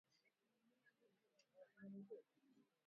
asilimia mbili nchini Rwanda tatu